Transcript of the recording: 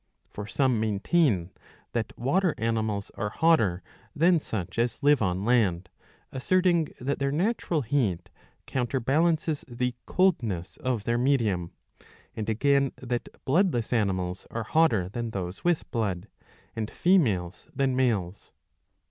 For some maintain that water animals are hotter than such as live on land,® asserting that their natural heat counterbalances the coldness of their medium ; and again that bloodless animals are hotter than those with blood, and females than males.